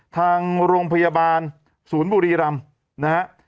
ทางโรงพยาบาลศูนย์บุรีรำนะฮะ